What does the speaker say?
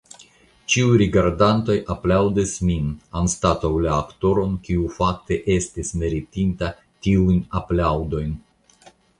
Ĉiuj rigardantoj aplaŭdis min, anstataŭ la aktoron, kiu fakte estis meritinta tiujn aplaŭdojn.